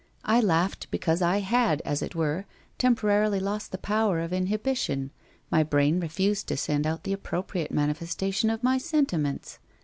I laughed because I had, as it were, temporarily lost the power of inhibition, my brain refused to send out the appropriate manifes tation of my sentiments.